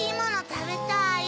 たべたい。